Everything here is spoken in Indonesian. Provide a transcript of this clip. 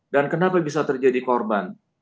dan kenapa bisa terjadi korban